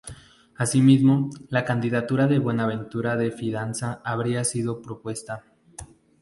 Asimismo, la candidatura de Buenaventura de Fidanza habría sido propuesta.